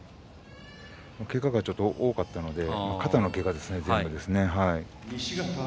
けががちょっと多かったので肩のけがですね、全部。